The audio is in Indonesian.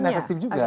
dan efektif juga